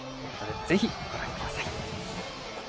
ぜひ、ご覧ください。